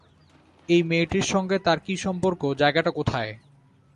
এই মেয়েটির সঙ্গে তার কী সম্পর্ক, জায়গাটা কোথায়?